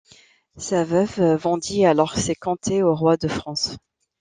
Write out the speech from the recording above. Sa veuve vendit alors ses comtés au roi de France.